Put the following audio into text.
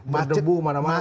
berdebu mana mana pak